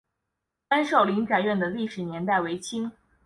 安寿林宅院的历史年代为清。